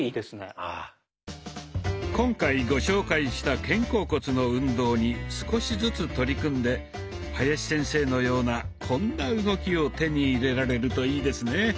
今回ご紹介した肩甲骨の運動に少しずつ取り組んで林先生のようなこんな動きを手に入れられるといいですね。